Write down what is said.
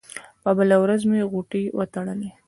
په بله ورځ مې غوټې وتړلې.